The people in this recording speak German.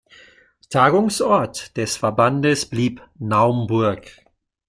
Tagungsort des Verbandes blieb Naumburg.